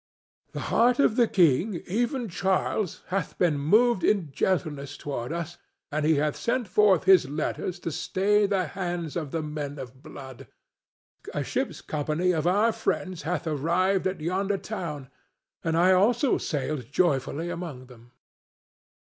The heart of the king, even Charles, hath been moved in gentleness toward us, and he hath sent forth his letters to stay the hands of the men of blood. A ship's company of our friends hath arrived at yonder town, and I also sailed joyfully among them."